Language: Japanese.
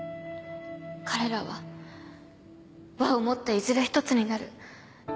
彼らは和をもっていずれ一つになる。